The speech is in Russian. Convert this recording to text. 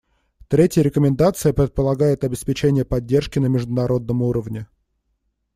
Третья рекомендация предполагает обеспечение поддержки на международном уровне.